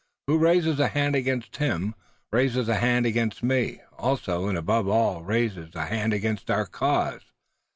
"Who raises a hand against him raises a hand against me also, and above all raises a hand against our cause.